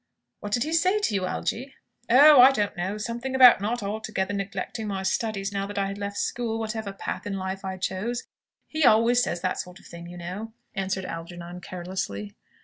"What did he say to you, Algy?" "Oh, I don't know: something about not altogether neglecting my studies now I had left school, whatever path in life I chose. He always says that sort of thing, you know," answered Algernon carelessly.